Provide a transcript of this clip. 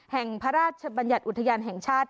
แห่งพระราชบัญญัติอุทยานแห่งชาติ